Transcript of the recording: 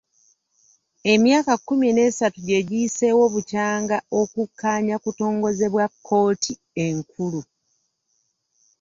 Emyaka kkumi n'esatu gye giyiseewo bukyanga okukkaanya kutongozebwa kkooti enkulu.